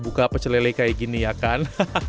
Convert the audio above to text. buka pece lele kayak gini ya kan